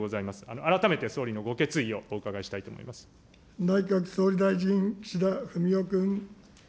改めて総理のご決意をお伺いした内閣総理大臣、岸田文雄君。